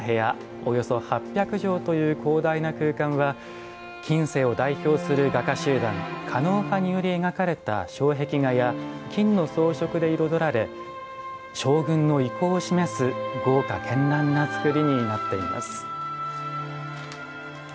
およそ８００畳という広大な空間は近世を代表する画家集団狩野派により描かれた障壁画や金の装飾で彩られ将軍の威光を示す豪華けんらんな造りになっています。